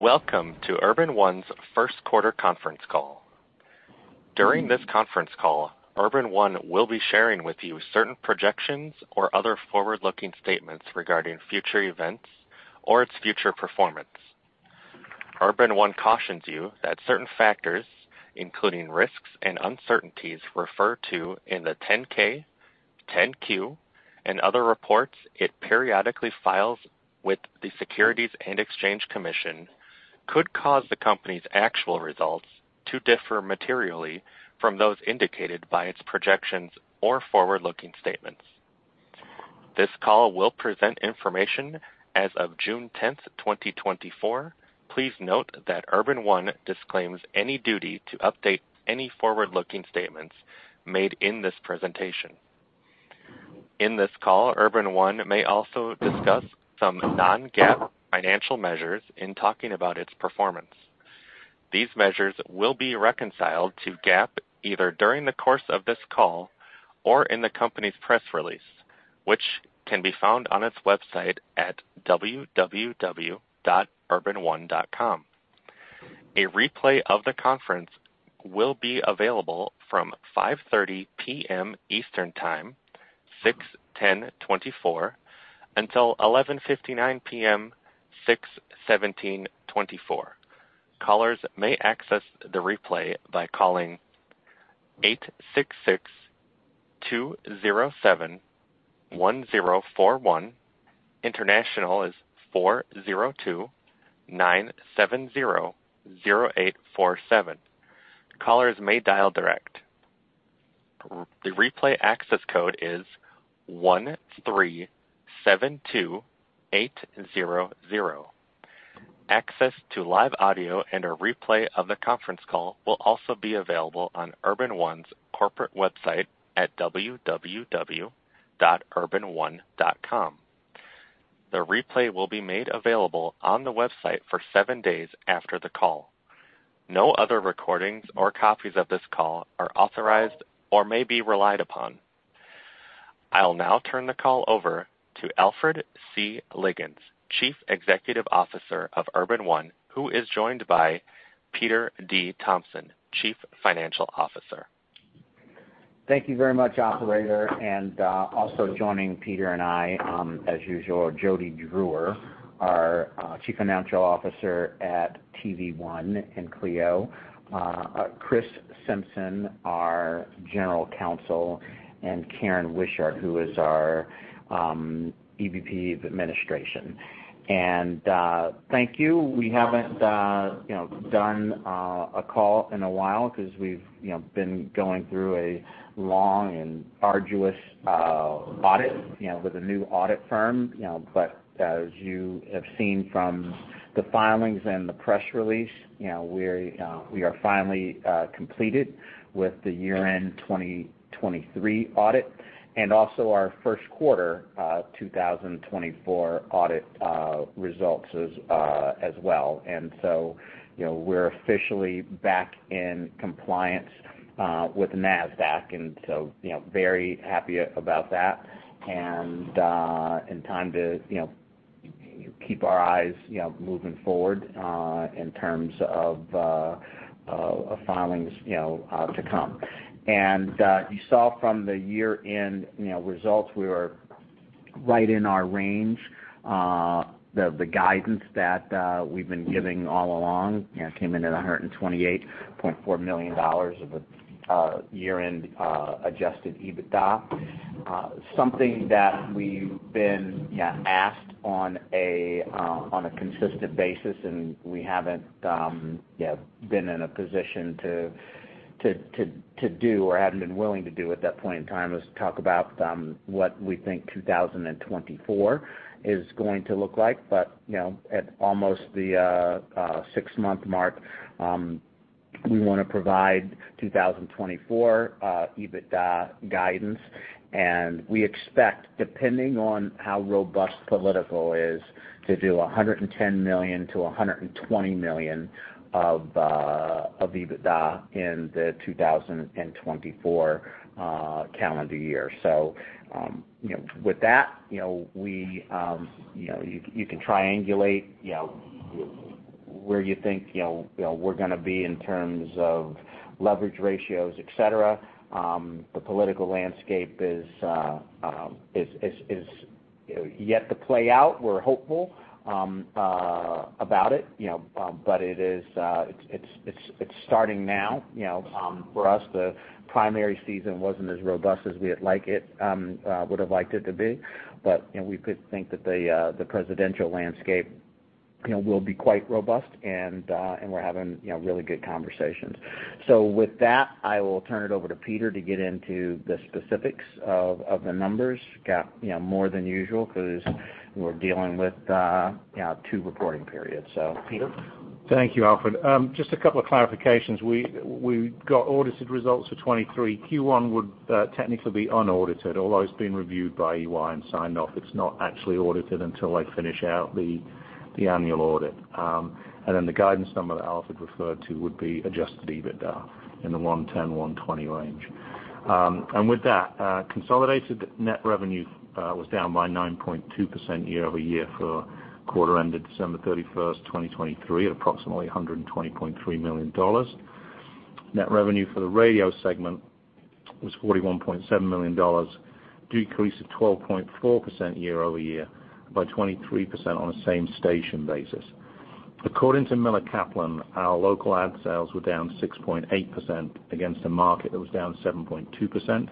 Welcome to Urban One's First Quarter Conference Call. During this conference call, Urban One will be sharing with you certain projections or other forward-looking statements regarding future events or its future performance. Urban One cautions you that certain factors, including risks and uncertainties, referred to in the 10-K, 10-Q, and other reports it periodically files with the Securities and Exchange Commission, could cause the company's actual results to differ materially from those indicated by its projections or forward-looking statements. This call will present information as of June 10th, 2024. Please note that Urban One disclaims any duty to update any forward-looking statements made in this presentation. In this call, Urban One may also discuss some non-GAAP financial measures in talking about its performance. These measures will be reconciled to GAAP either during the course of this call or in the company's press release, which can be found on its website at www.urbanone.com. A replay of the conference will be available from 5:30 P.M. Eastern Time, 6/10/2024, until 11:59 P.M., 6/17/2024. Callers may access the replay by calling 866-207-1041. International is 402-970-0847. Callers may dial direct. The replay access code is 1372800. Access to live audio and a replay of the conference call will also be available on Urban One's corporate website at www.urbanone.com. The replay will be made available on the website for seven days after the call. No other recordings or copies of this call are authorized or may be relied upon. I'll now turn the call over to Alfred C. Liggins, Chief Executive Officer of Urban One, who is joined by Peter D. Thompson, Chief Financial Officer. Thank you very much, Operator, and also joining Peter and I, as usual, Jody Drewer, our Chief Financial Officer at TV One and CLEO, Chris Simpson, our General Counsel, and Karen Wishart, who is our EVP of Administration. Thank you. We haven't done a call in a while because we've been going through a long and arduous audit with a new audit firm. But as you have seen from the filings and the press release, we are finally completed with the year-end 2023 audit and also our first quarter 2024 audit results as well. So we're officially back in compliance with NASDAQ, and so very happy about that and in time to keep our eyes moving forward in terms of filings to come. You saw from the year-end results we were right in our range. The guidance that we've been giving all along came in at $128.4 million of year-end adjusted EBITDA, something that we've been asked on a consistent basis, and we haven't been in a position to do or hadn't been willing to do at that point in time was to talk about what we think 2024 is going to look like. But at almost the six-month mark, we want to provide 2024 EBITDA guidance, and we expect, depending on how robust political is, to do $110 million-$120 million of EBITDA in the 2024 calendar year. So with that, you can triangulate where you think we're going to be in terms of leverage ratios, etc. The political landscape is yet to play out. We're hopeful about it, but it's starting now for us. The primary season wasn't as robust as we would have liked it to be, but we could think that the presidential landscape will be quite robust, and we're having really good conversations. So with that, I will turn it over to Peter to get into the specifics of the numbers, more than usual, because we're dealing with two reporting periods. So, Peter. Thank you, Alfred. Just a couple of clarifications. We got audited results for 2023. Q1 would technically be unaudited, although it's been reviewed by EY and signed off. It's not actually audited until they finish out the annual audit. Then the guidance number that Alfred referred to would be Adjusted EBITDA in the $110 million-$120 million range. With that, consolidated net revenue was down by 9.2% year-over-year for quarter-ended December 31st, 2023, at approximately $120.3 million. Net revenue for the radio segment was $41.7 million, decreased at 12.4% year-over-year by 23% on a same station basis. According to Miller Kaplan, our local ad sales were down 6.8% against a market that was down 7.2%.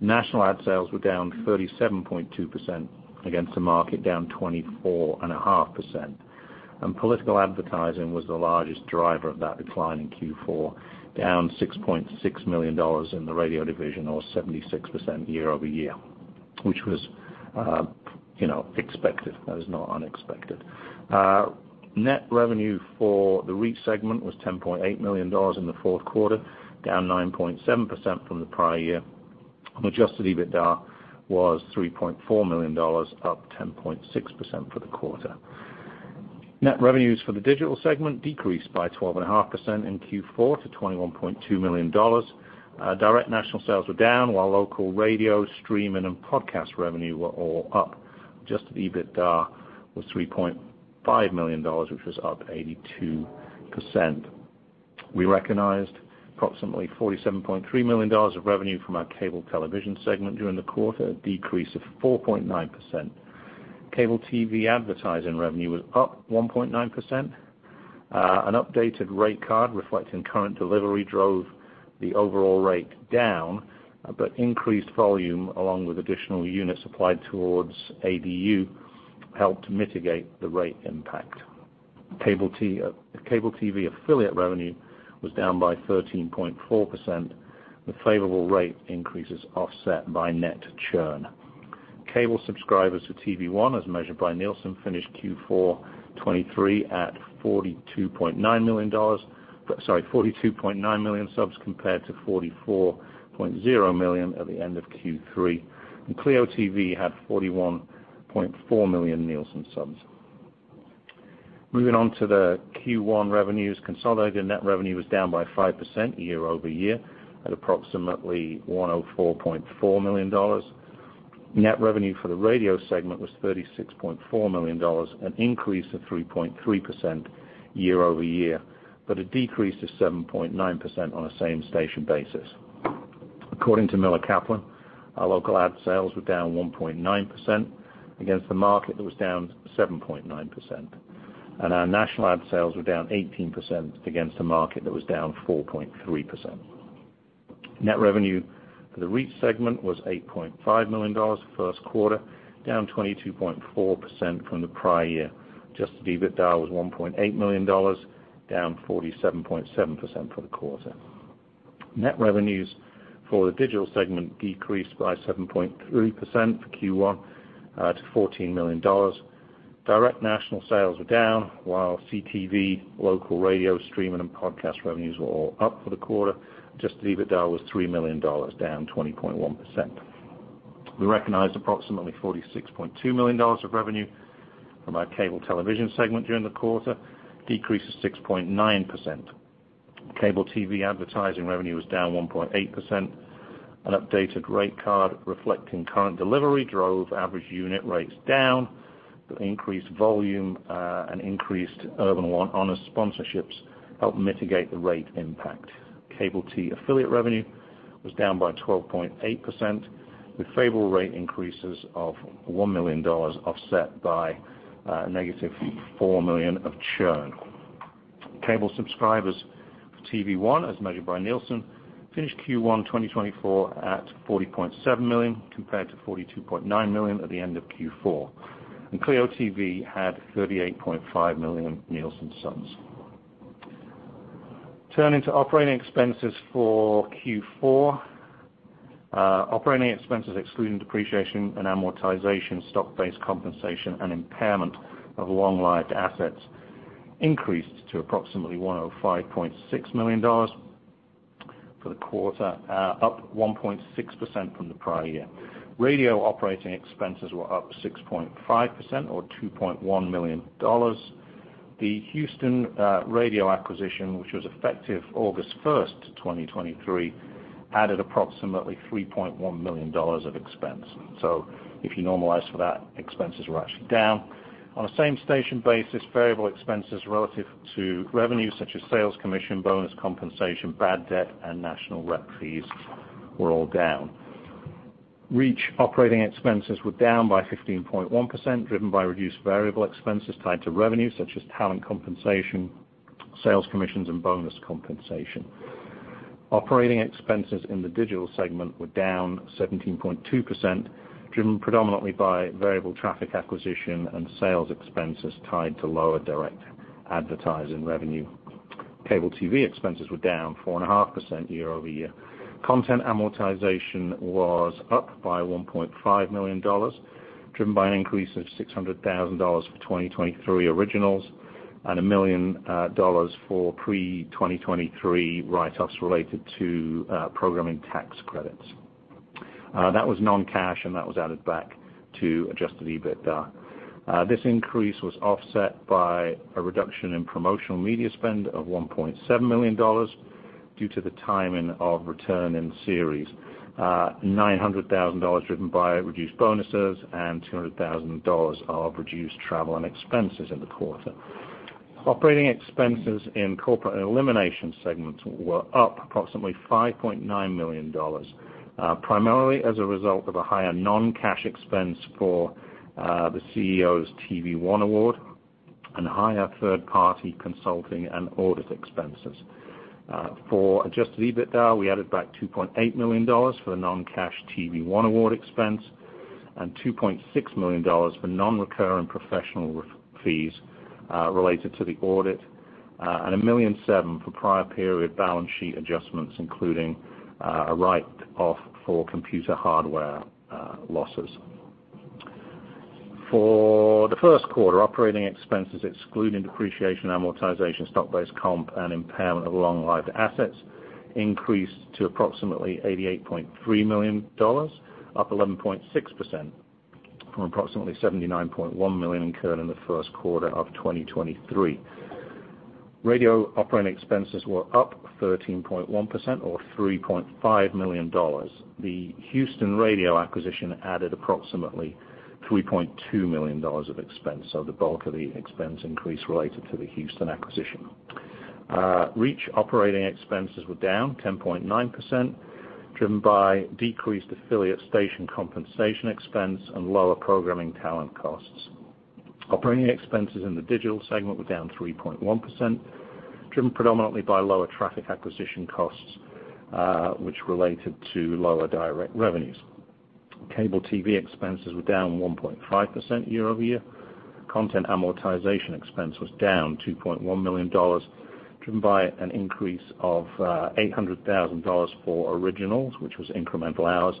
National ad sales were down 37.2% against a market down 24.5%. Political advertising was the largest driver of that decline in Q4, down $6.6 million in the radio division, or 76% year-over-year, which was expected. That is not unexpected. Net revenue for the radio segment was $10.8 million in the fourth quarter, down 9.7% from the prior year. Adjusted EBITDA was $3.4 million, up 10.6% for the quarter. Net revenues for the digital segment decreased by 12.5% in Q4 to $21.2 million. Direct national sales were down, while local radio, streaming, and podcast revenue were all up. Adjusted EBITDA was $3.5 million, which was up 82%. We recognized approximately $47.3 million of revenue from our cable television segment during the quarter, a decrease of 4.9%. Cable TV advertising revenue was up 1.9%. An updated rate card reflecting current delivery drove the overall rate down, but increased volume along with additional units applied towards ADU helped mitigate the rate impact. Cable TV affiliate revenue was down by 13.4%. The favorable rate increase is offset by net churn. Cable subscribers to TV One, as measured by Nielsen, finished Q4 2023 at $42.9 million subs compared to $44.0 million at the end of Q3. And CLEO TV had 41.4 million Nielsen subs. Moving on to the Q1 revenues, consolidated net revenue was down by 5% year-over-year at approximately $104.4 million. Net revenue for the radio segment was $36.4 million, an increase of 3.3% year-over-year, but a decrease of 7.9% on a same station basis. According to Miller Kaplan, our local ad sales were down 1.9% against the market that was down 7.9%. Our national ad sales were down 18% against a market that was down 4.3%. Net revenue for the radio segment was $8.5 million first quarter, down 22.4% from the prior year. Adjusted EBITDA was $1.8 million, down 47.7% for the quarter. Net revenues for the digital segment decreased by 7.3% for Q1 to $14 million. Direct national sales were down, while CTV, local radio, streaming, and podcast revenues were all up for the quarter. Adjusted EBITDA was $3 million, down 20.1%. We recognized approximately $46.2 million of revenue from our cable television segment during the quarter, decreased to 6.9%. Cable TV advertising revenue was down 1.8%. An updated rate card reflecting current delivery drove average unit rates down, but increased volume and increased Urban One Honors sponsorships helped mitigate the rate impact. Cable TV affiliate revenue was down by 12.8%, with favorable rate increases of $1 million offset by -$4 million of churn. Cable subscribers for TV One, as measured by Nielsen, finished Q1 2024 at 40.7 million compared to 42.9 million at the end of Q4. CLEO TV had 38.5 million Nielsen subs. Turning to operating expenses for Q4, operating expenses excluding depreciation and amortization, stock-based compensation, and impairment of long-lived assets increased to approximately $105.6 million for the quarter, up 1.6% from the prior year. Radio operating expenses were up 6.5%, or $2.1 million. The Houston radio acquisition, which was effective August 1st, 2023, added approximately $3.1 million of expense. So if you normalize for that, expenses were actually down. On a same station basis, variable expenses relative to revenues such as sales commission, bonus compensation, bad debt, and national rep fees were all down. Reach operating expenses were down by 15.1%, driven by reduced variable expenses tied to revenues such as talent compensation, sales commissions, and bonus compensation. Operating expenses in the digital segment were down 17.2%, driven predominantly by variable traffic acquisition and sales expenses tied to lower direct advertising revenue. Cable TV expenses were down 4.5% year-over-year. Content amortization was up by $1.5 million, driven by an increase of $600,000 for 2023 originals and $1 million for pre-2023 write-offs related to programming tax credits. That was non-cash, and that was added back to Adjusted EBITDA. This increase was offset by a reduction in promotional media spend of $1.7 million due to the timing of return in series, $900,000 driven by reduced bonuses and $200,000 of reduced travel and expenses in the quarter. Operating expenses in corporate elimination segments were up approximately $5.9 million, primarily as a result of a higher non-cash expense for the CEO's TV One award and higher third-party consulting and audit expenses. For Adjusted EBITDA, we added back $2.8 million for the non-cash TV One award expense and $2.6 million for non-recurring professional fees related to the audit and $1.07 million for prior period balance sheet adjustments, including a write-off for computer hardware losses. For the first quarter, operating expenses excluding depreciation and amortization, stock-based comp, and impairment of long-lived assets increased to approximately $88.3 million, up 11.6% from approximately $79.1 million incurred in the first quarter of 2023. Radio operating expenses were up 13.1%, or $3.5 million. The Houston radio acquisition added approximately $3.2 million of expense, so the bulk of the expense increase related to the Houston acquisition. Reach operating expenses were down 10.9%, driven by decreased affiliate station compensation expense and lower programming talent costs. Operating expenses in the digital segment were down 3.1%, driven predominantly by lower traffic acquisition costs, which related to lower direct revenues. Cable TV expenses were down 1.5% year-over-year. Content amortization expense was down $2.1 million, driven by an increase of $800,000 for originals, which was incremental hours,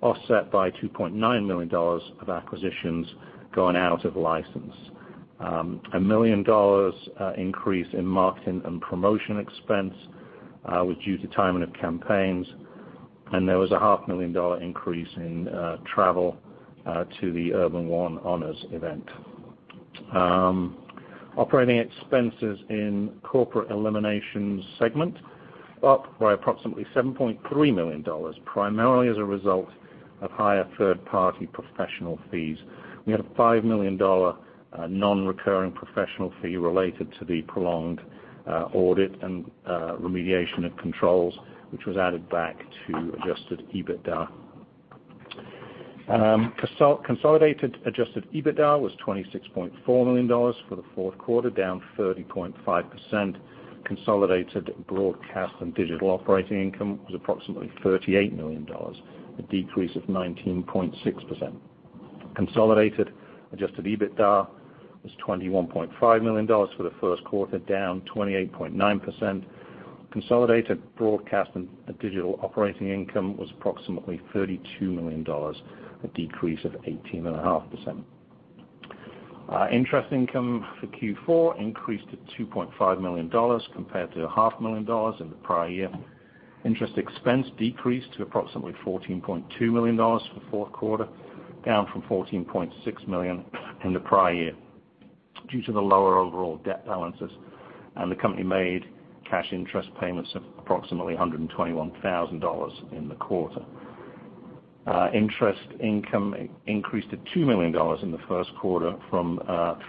offset by $2.9 million of acquisitions going out of license. $1 million increase in marketing and promotion expense was due to timing of campaigns, and there was a $500,000 increase in travel to the Urban One Honors event. Operating expenses in corporate elimination segment up by approximately $7.3 million, primarily as a result of higher third-party professional fees. We had a $5 million non-recurring professional fee related to the prolonged audit and remediation of controls, which was added back to adjusted EBITDA. Consolidated adjusted EBITDA was $26.4 million for the fourth quarter, down 30.5%. Consolidated broadcast and digital operating income was approximately $38 million, a decrease of 19.6%. Consolidated adjusted EBITDA was $21.5 million for the first quarter, down 28.9%. Consolidated broadcast and digital operating income was approximately $32 million, a decrease of 18.5%. Interest income for Q4 increased to $2.5 million compared to $1.5 million in the prior year. Interest expense decreased to approximately $14.2 million for the fourth quarter, down from $14.6 million in the prior year due to the lower overall debt balances, and the company made cash interest payments of approximately $121,000 in the quarter. Interest income increased to $2 million in the first quarter from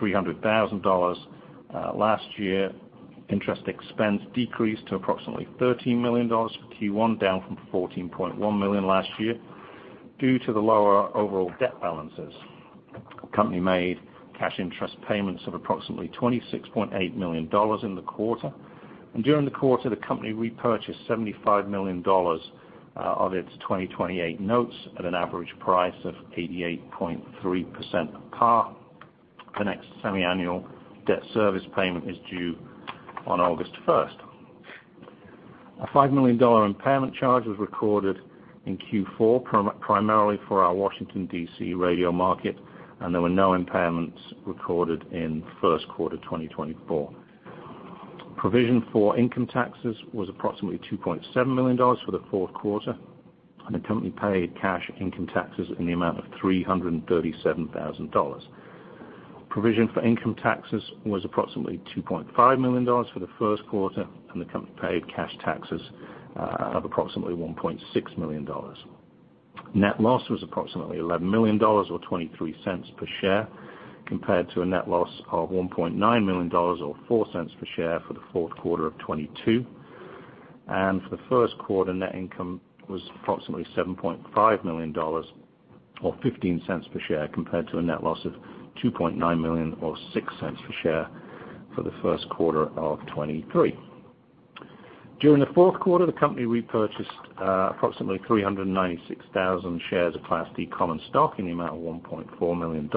$300,000 last year. Interest expense decreased to approximately $13 million for Q1, down from $14.1 million last year. Due to the lower overall debt balances, the company made cash interest payments of approximately $26.8 million in the quarter. During the quarter, the company repurchased $75 million of its 2028 notes at an average price of 88.3% par. The next semi-annual debt service payment is due on August 1st. A $5 million impairment charge was recorded in Q4, primarily for our Washington, D.C. radio market, and there were no impairments recorded in the first quarter of 2024. Provision for income taxes was approximately $2.7 million for the fourth quarter, and the company paid cash income taxes in the amount of $337,000. Provision for income taxes was approximately $2.5 million for the first quarter, and the company paid cash taxes of approximately $1.6 million. Net loss was approximately $11 million or $0.23 per share compared to a net loss of $1.9 million or $0.04 per share for the fourth quarter of 2022. For the first quarter, net income was approximately $7.5 million or $0.15 per share compared to a net loss of $2.9 million or $0.06 per share for the first quarter of 2023. During the fourth quarter, the company repurchased approximately 396,000 shares of Class D common stock in the amount of $1.4 million.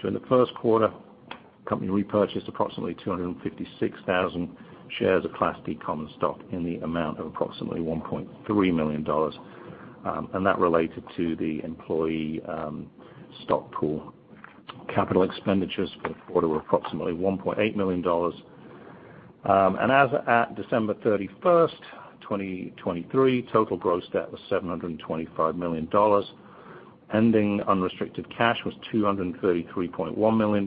During the first quarter, the company repurchased approximately 256,000 shares of Class D common stock in the amount of approximately $1.3 million, and that related to the employee stock pool. Capital expenditures for the quarter were approximately $1.8 million. As of December 31st, 2023, total gross debt was $725 million. Ending unrestricted cash was $233.1 million,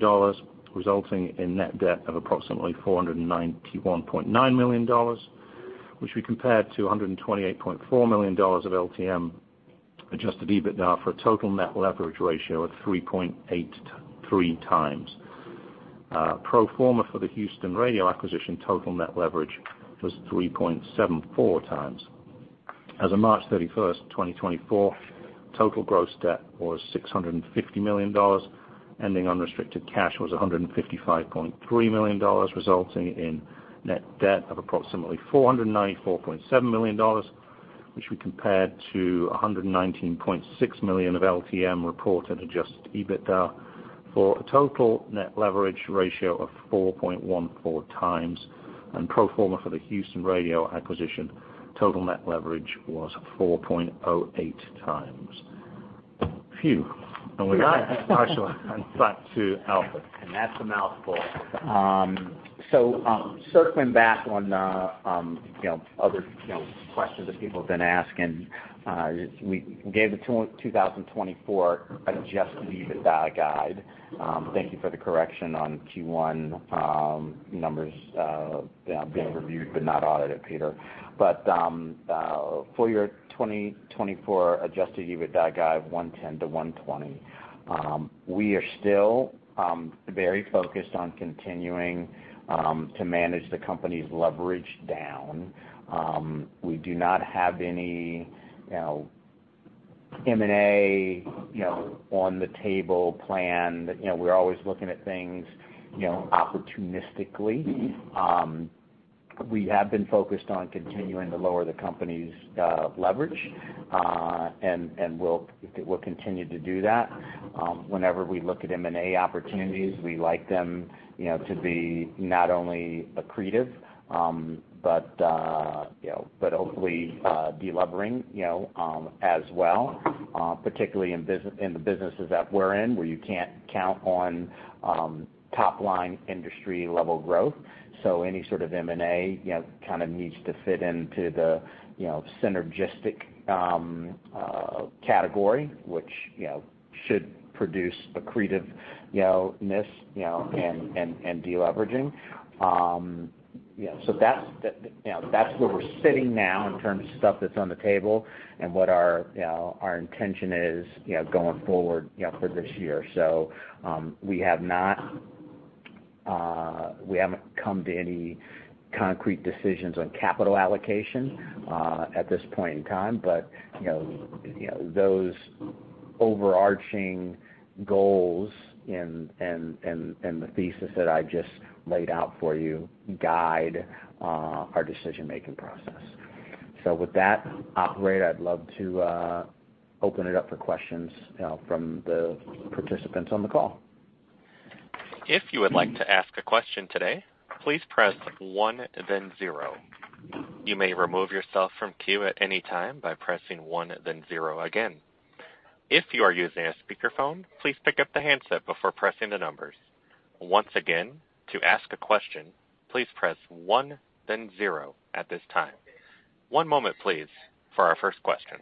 resulting in net debt of approximately $491.9 million, which we compared to $128.4 million of LTM adjusted EBITDA for a total net leverage ratio of 3.83x. Pro forma for the Houston radio acquisition, total net leverage was 3.74x. As of March 31st, 2024, total gross debt was $650 million. Ending unrestricted cash was $155.3 million, resulting in net debt of approximately $494.7 million, which we compared to $119.6 million of LTM reported adjusted EBITDA for a total net leverage ratio of 4.14x. Pro forma for the Houston radio acquisition, total net leverage was 4.08 times. Phew. We're going to actually hand it back to Alfred. That's a mouthful. Circling back on other questions that people have been asking, we gave the 2024 adjusted EBITDA guide. Thank you for the correction on Q1 numbers being reviewed but not audited, Peter. But for your 2024 Adjusted EBITDA guide, 110-120, we are still very focused on continuing to manage the company's leverage down. We do not have any M&A on the table planned. We're always looking at things opportunistically. We have been focused on continuing to lower the company's leverage, and we'll continue to do that. Whenever we look at M&A opportunities, we like them to be not only accretive but hopefully delivering as well, particularly in the businesses that we're in where you can't count on top-line industry-level growth. So any sort of M&A kind of needs to fit into the synergistic category, which should produce accretiveness and deleveraging. So that's where we're sitting now in terms of stuff that's on the table and what our intention is going forward for this year. So we haven't come to any concrete decisions on capital allocation at this point in time, but those overarching goals and the thesis that I just laid out for you guide our decision-making process. So with that, Alfred, I'd love to open it up for questions from the participants on the call. If you would like to ask a question today, please press one, then zero. You may remove yourself from queue at any time by pressing one, then zero again. If you are using a speakerphone, please pick up the handset before pressing the numbers. Once again, to ask a question, please press one, then zero at this time. One moment, please, for our first question.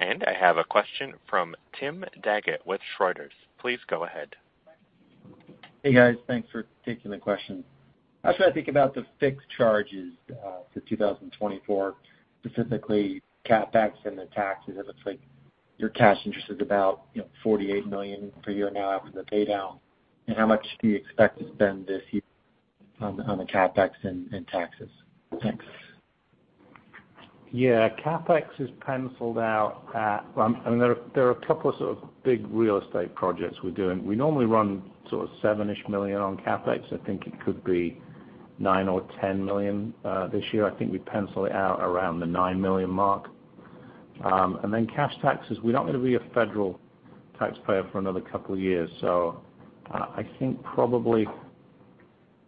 And I have a question from Tim Daggett with Schroders. Please go ahead. Hey, guys. Thanks for taking the question. Actually, I think about the fixed charges for 2024, specifically CapEx and the taxes. It looks like your cash interest is about $48 million per year now after the paydown. And how much do you expect to spend this year on the CapEx and taxes? Thanks. Yeah. CapEx is penciled out at. I mean, there are a couple of sort of big real estate projects we're doing. We normally run sort of $7-ish million on CapEx. I think it could be $9 million or $10 million this year. I think we pencil it out around the $9 million mark. And then cash taxes, we're not going to be a federal taxpayer for another couple of years. So I think probably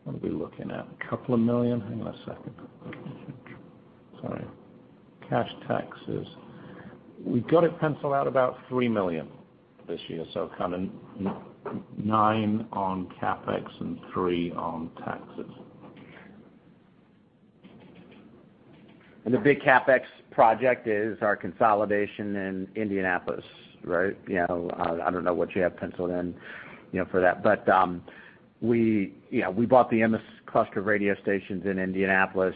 what are we looking at? $2 million. Hang on a second. Sorry. Cash taxes. We've got it penciled out about $3 million this year, so kind of $9 million on CapEx and $3 million on taxes. And the big CapEx project is our consolidation in Indianapolis, right? I don't know what you have penciled in for that. But we bought the Emmis cluster radio stations in Indianapolis.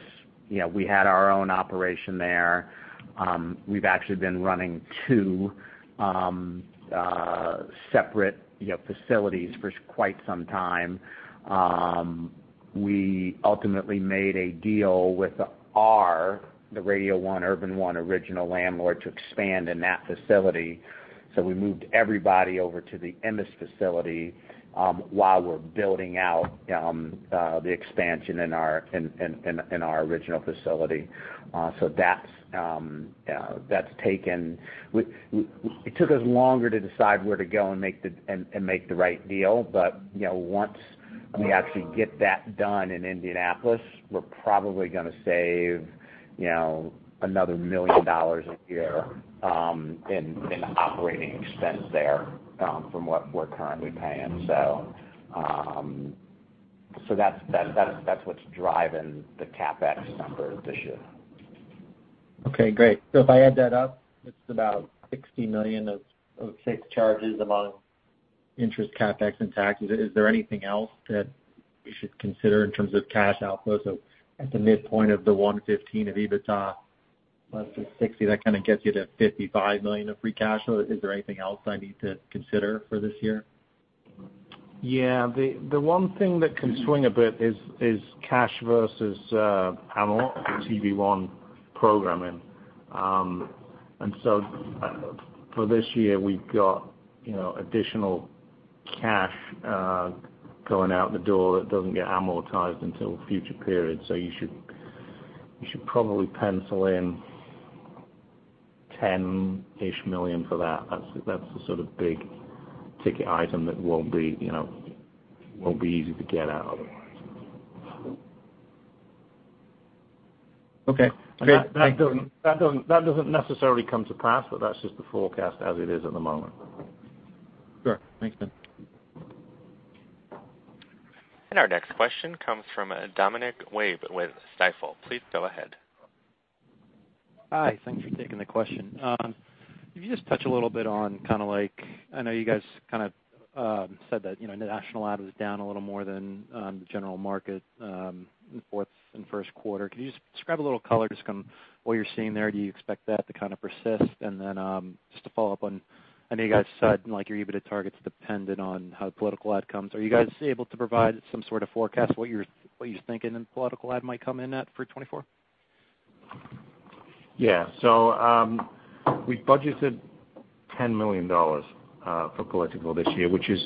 We had our own operation there. We've actually been running two separate facilities for quite some time. We ultimately made a deal with our Radio One Urban One original landlord to expand in that facility. So we moved everybody over to the Emmis facility while we're building out the expansion in our original facility. So that's taken it took us longer to decide where to go and make the right deal. But once we actually get that done in Indianapolis, we're probably going to save another $1 million a year in operating expense there from what we're currently paying. So that's what's driving the CapEx number this year. Okay. Great. So if I add that up, it's about $60 million of fixed charges among interest, CapEx, and taxes. Is there anything else that we should consider in terms of cash outflow? So at the midpoint of the $115 million of EBITDA, let's say $60 million, that kind of gets you to $55 million of free cash flow. Is there anything else I need to consider for this year? Yeah. The one thing that can swing a bit is cash versus amortized TV One programming. And so for this year, we've got additional cash going out the door that doesn't get amortized until future periods. So you should probably pencil in $10-ish million for that. That's the sort of big ticket item that won't be easy to get out otherwise. Okay. That doesn't necessarily come to pass, but that's just the forecast as it is at the moment. Sure. Makes sense. And our next question comes from Dominic Laib with Stifel. Please go ahead. Hi. Thanks for taking the question. Could you just touch a little bit on kind of like I know you guys kind of said that the national ad was down a little more than the general market in the fourth and first quarter. Could you just describe a little color just on what you're seeing there? Do you expect that to kind of persist? And then just to follow up on, I know you guys said your EBITDA target's dependent on how the political ad comes. Are you guys able to provide some sort of forecast what you're thinking the political ad might come in at for 2024? Yeah. So we budgeted $10 million for political this year, which is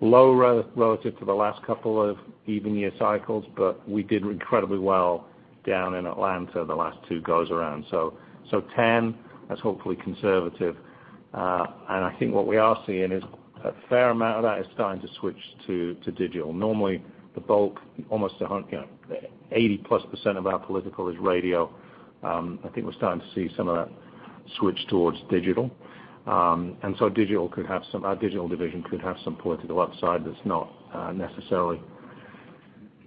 lower relative to the last couple of even-year cycles, but we did incredibly well down in Atlanta the last two goes around. So 10, that's hopefully conservative. And I think what we are seeing is a fair amount of that is starting to switch to digital. Normally, the bulk, almost 80%+ of our political is radio. I think we're starting to see some of that switch towards digital. And so digital could have some our digital division could have some political upside that's not necessarily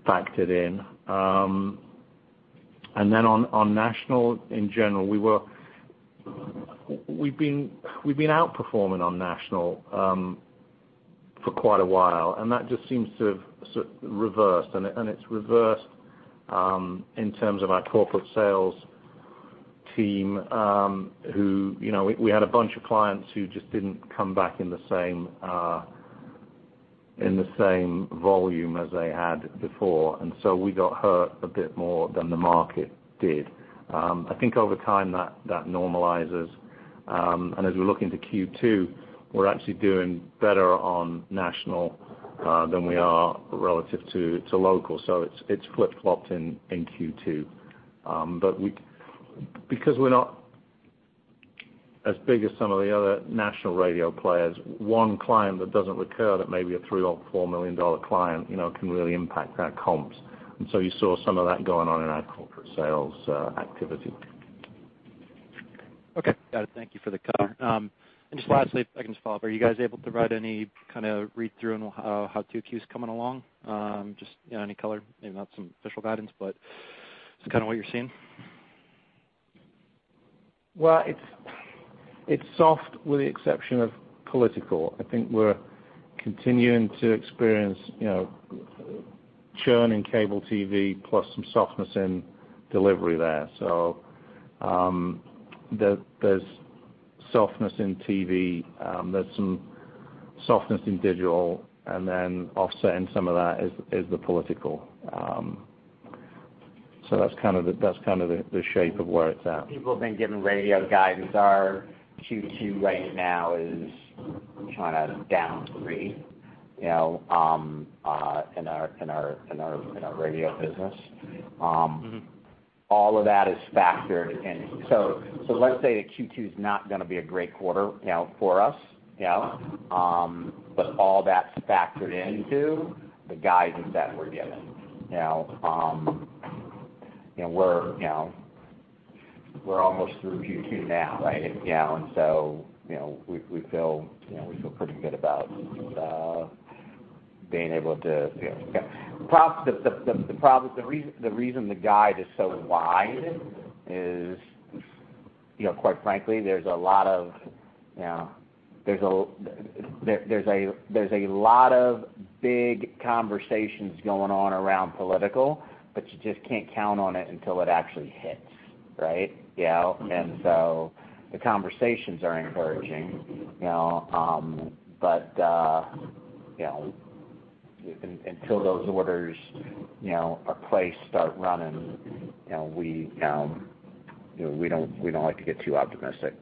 factored in. And then on national, in general, we've been outperforming on national for quite a while. And that just seems to have reversed. It's reversed in terms of our corporate sales team, who we had a bunch of clients who just didn't come back in the same volume as they had before. So we got hurt a bit more than the market did. I think over time, that normalizes. As we're looking to Q2, we're actually doing better on national than we are relative to local. So it's flip-flopped in Q2. But because we're not as big as some of the other national radio players, one client that doesn't recur, that may be a $3 million-$4 million client, can really impact our comps. So you saw some of that going on in our corporate sales activity. Okay. Got it. Thank you for the color. Just lastly, if I can just follow up, are you guys able to provide any kind of read-through on how Q2's coming along? Just any color, maybe not some official guidance, but it's kind of what you're seeing? Well, it's soft with the exception of political. I think we're continuing to experience churn in cable TV plus some softness in delivery there. So there's softness in TV. There's some softness in digital. And then offset in some of that is the political. So that's kind of the shape of where it's at. People have been giving radio guidance. Our Q2 right now is kind of down 3% in our radio business. All of that is factored in. So let's say the Q2 is not going to be a great quarter for us, but all that's factored into the guidance that we're given. We're almost through Q2 now, right? And so we feel pretty good about being able to the reason the guide is so wide is, quite frankly, there's a lot of big conversations going on around political, but you just can't count on it until it actually hits, right? And so the conversations are encouraging. But until those orders are placed, start running, we don't like to get too optimistic.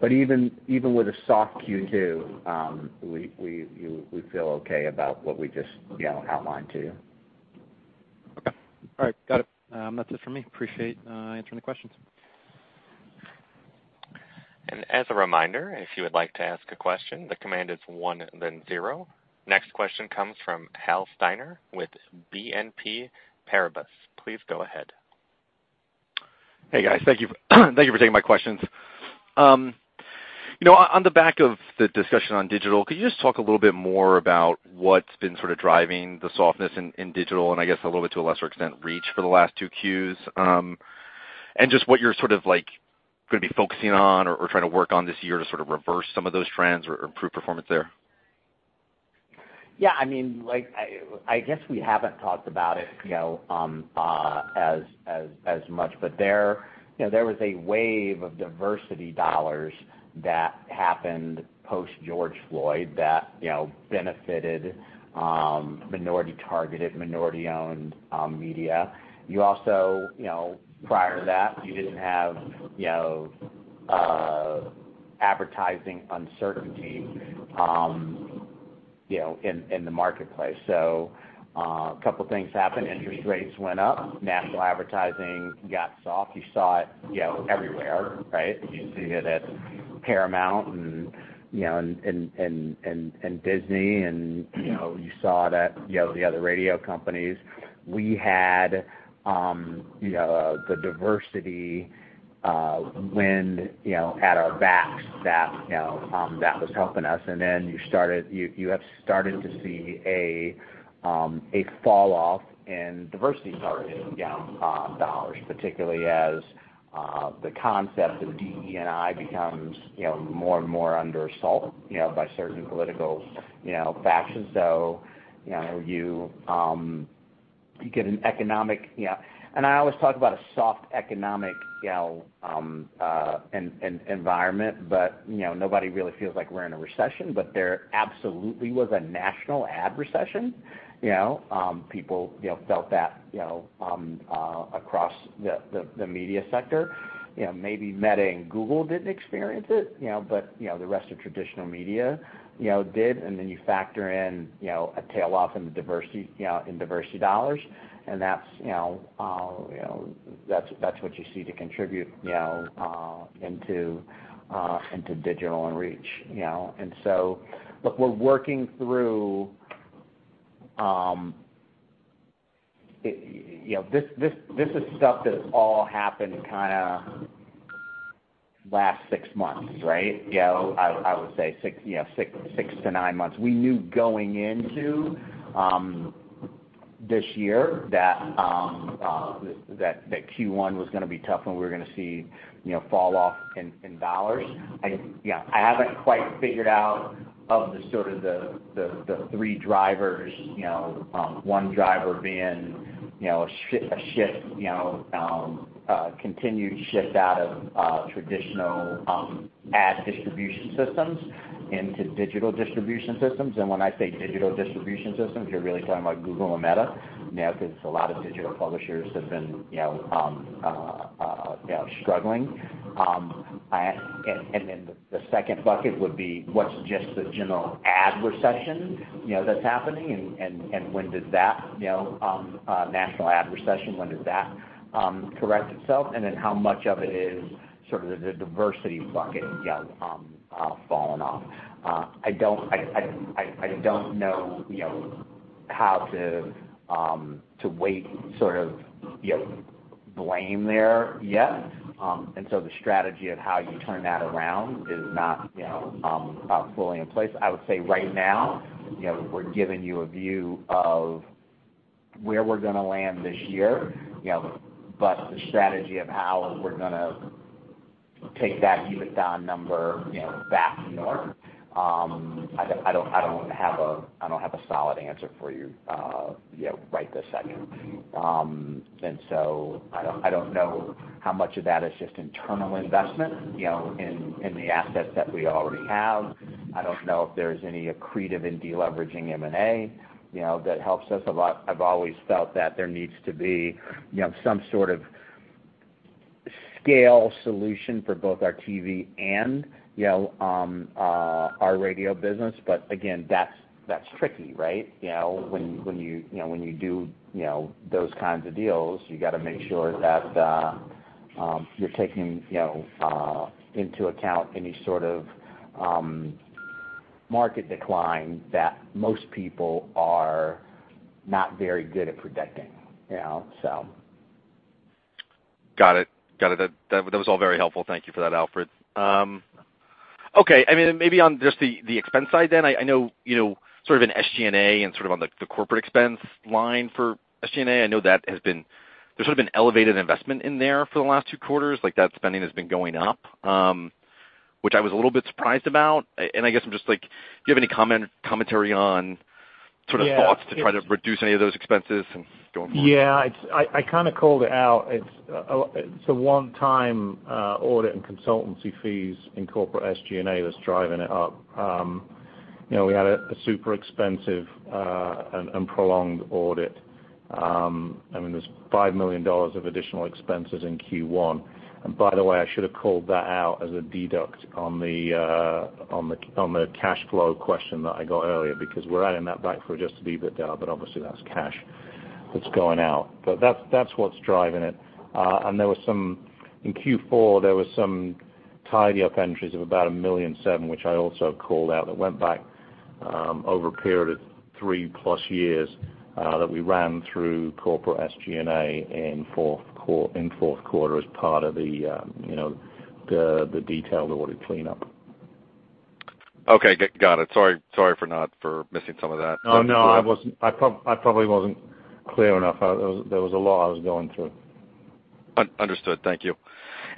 But even with a soft Q2, we feel okay about what we just outlined to you. Okay. All right. Got it. That's it for me. Appreciate answering the questions. And as a reminder, if you would like to ask a question, the command is one, then zero. Next question comes from Hal Steiner with BNP Paribas. Please go ahead. Hey, guys. Thank you for taking my questions. On the back of the discussion on digital, could you just talk a little bit more about what's been sort of driving the softness in digital and, I guess, a little bit to a lesser extent, reach for the last two Qs? And just what you're sort of going to be focusing on or trying to work on this year to sort of reverse some of those trends or improve performance there? Yeah. I mean, I guess we haven't talked about it as much, but there was a wave of diversity dollars that happened post-George Floyd that benefited minority-targeted, minority-owned media. Prior to that, you didn't have advertising uncertainty in the marketplace. So a couple of things happened. Interest rates went up. National advertising got soft. You saw it everywhere, right? You see it at Paramount and Disney and you saw it at the other radio companies. We had the diversity wind at our backs that was helping us. And then you have started to see a falloff in diversity target dollars, particularly as the concept of DE&I becomes more and more under assault by certain political factions. So you get an economic and I always talk about a soft economic environment, but nobody really feels like we're in a recession. But there absolutely was a national ad recession. People felt that across the media sector. Maybe Meta and Google didn't experience it, but the rest of traditional media did. And then you factor in a tail off in diversity dollars. And that's what you see to contribute into digital and reach. And so, look, we're working through this is stuff that all happened kind of last six months, right? I would say six to nine months. We knew going into this year that Q1 was going to be tough and we were going to see falloff in dollars. I haven't quite figured out of sort of the three drivers, one driver being a shift, continued shift out of traditional ad distribution systems into digital distribution systems. And when I say digital distribution systems, you're really talking about Google and Meta because a lot of digital publishers have been struggling. And then the second bucket would be what's just the general ad recession that's happening and when did that national ad recession, when did that correct itself? And then how much of it is sort of the diversity bucket falling off? I don't know how to weigh sort of blame there yet. And so the strategy of how you turn that around is not fully in place. I would say right now, we're giving you a view of where we're going to land this year, but the strategy of how we're going to take that EBITDA number back north, I don't have a solid answer for you right this second. So I don't know how much of that is just internal investment in the assets that we already have. I don't know if there's any accretive and deleveraging M&A that helps us a lot. I've always felt that there needs to be some sort of scale solution for both our TV and our radio business. But again, that's tricky, right? When you do those kinds of deals, you got to make sure that you're taking into account any sort of market decline that most people are not very good at predicting, so. Got it. Got it. That was all very helpful. Thank you for that, Alfred. Okay. I mean, maybe on just the expense side then, I know sort of an SG&A and sort of on the corporate expense line for SG&A, I know that has been, there's sort of been elevated investment in there for the last two quarters. That spending has been going up, which I was a little bit surprised about. I guess I'm just like, do you have any commentary on sort of thoughts to try to reduce any of those expenses and going forward? Yeah. I kind of called it out. It's a one-time audit and consultancy fees in corporate SG&A that's driving it up. We had a super expensive and prolonged audit. I mean, there's $5 million of additional expenses in Q1. And by the way, I should have called that out as a deduct on the cash flow question that I got earlier because we're adding that back for just the EBITDA, but obviously, that's cash that's going out. But that's what's driving it. And there was some in Q4. There were some tidy-up entries of about $1.7 million, which I also called out that went back over a period of three plus years that we ran through corporate SG&A in fourth quarter as part of the detailed audit cleanup. Okay. Got it. Sorry for missing some of that. No, no. I probably wasn't clear enough. There was a lot I was going through. Understood. Thank you.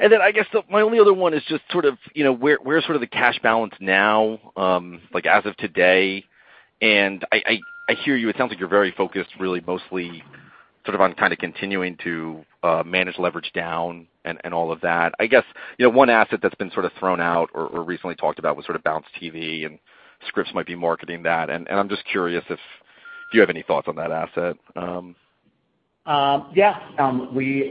And then I guess my only other one is just sort of where's sort of the cash balance now as of today? And I hear you. It sounds like you're very focused really mostly sort of on kind of continuing to manage leverage down and all of that. I guess one asset that's been sort of thrown out or recently talked about was sort of Bounce TV, and Scripps might be marketing that. And I'm just curious if you have any thoughts on that asset. Yeah. We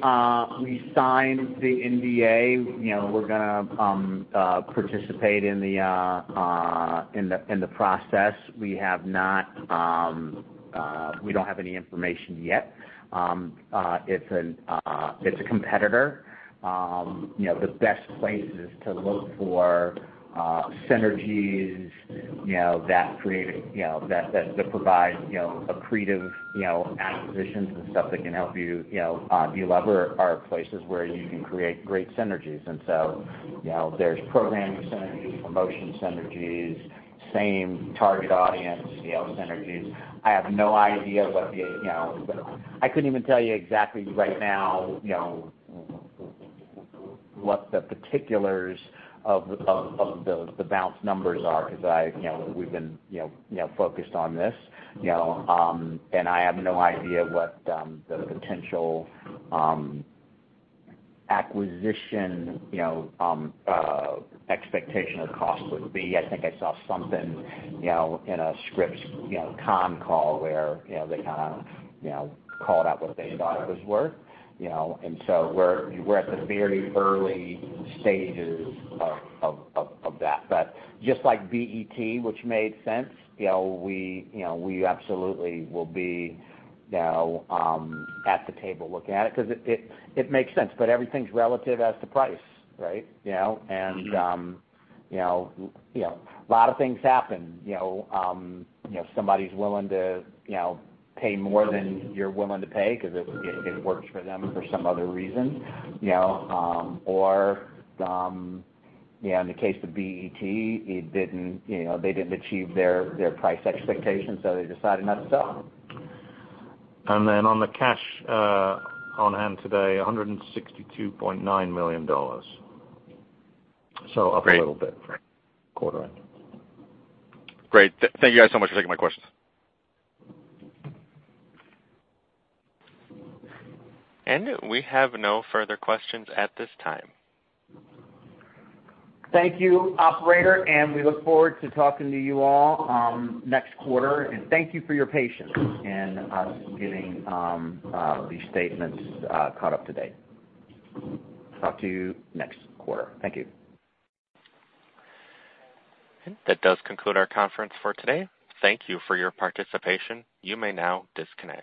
signed the NDA. We're going to participate in the process. We have not we don't have any information yet. It's a competitor. The best places to look for synergies that create that provide accretive acquisitions and stuff that can help you deliver are places where you can create great synergies. And so there's programming synergies, promotion synergies, same target audience synergies. I have no idea what the I couldn't even tell you exactly right now what the particulars of the Bounce numbers are because we've been focused on this. I have no idea what the potential acquisition expectation of cost would be. I think I saw something in a Scripps con call where they kind of called out what they thought it was worth. So we're at the very early stages of that. Just like BET, which made sense, we absolutely will be at the table looking at it because it makes sense. Everything's relative as to price, right? A lot of things happen. Somebody's willing to pay more than you're willing to pay because it works for them for some other reason. In the case of BET, they didn't achieve their price expectations, so they decided not to sell. Then on the cash on hand today, $162.9 million. Up a little bit for quarter end. Great. Thank you guys so much for taking my questions. We have no further questions at this time. Thank you, Operator. We look forward to talking to you all next quarter. Thank you for your patience in us getting these statements caught up to date. Talk to you next quarter. Thank you. That does conclude our conference for today. Thank you for your participation. You may now disconnect.